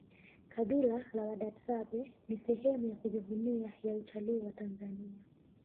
kabila la wadadzabe ni sehemu ya kujivunia ya utalii wa tanzania